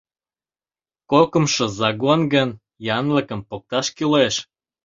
Кокымшо «загон» гын, янлыкым покташ кӱлеш.